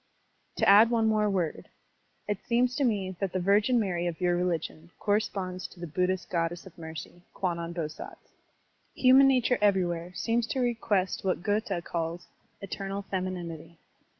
To add one more word. It seems to me that the Virgin Mary of your religion corresponds to the Buddhist Goddess of Mercy, Kwannon Bosatz. Human nature everywhere seems to request what Goethe calls "eternal femininity."